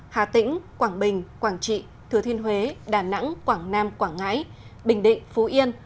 hà tĩnh quảng bình quảng trị thừa thiên huế đà nẵng quảng nam quảng ngãi bình định phú yên